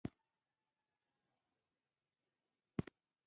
غول د کم رطوبت فریاد کوي.